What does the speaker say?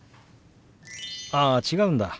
あ違うんだ。